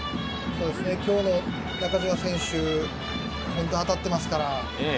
今日の中島選手、当たっていますから。